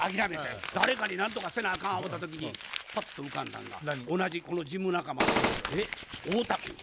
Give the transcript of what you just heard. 誰かに何とかせなあかん思うた時にパッと浮かんだんが同じこのジム仲間の太田君や。